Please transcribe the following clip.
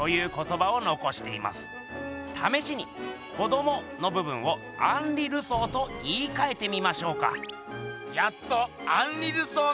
ためしに「子ども」の部分をアンリ・ルソーと言いかえてみましょうか？